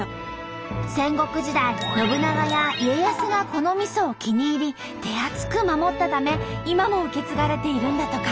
戦国時代信長や家康がこのみそを気に入り手厚く守ったため今も受け継がれているんだとか。